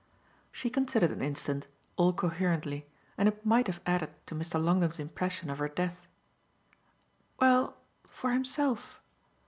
She considered an instant, all coherently, and it might have added to Mr. Longdon's impression of her depth. "Well, for himself.